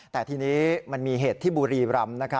แต่ทีนี้มันมีเหตุที่บุรีรำ